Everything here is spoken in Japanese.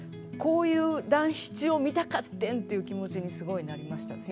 「こういう団七を見たかってん」という気持ちにすごいなりました。